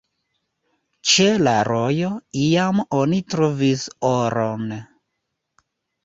Ĉe la rojo iam oni trovis oron.